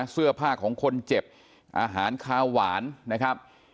เสื้อผ้าของคนเจ็บอาหารคาวหวานนะครับ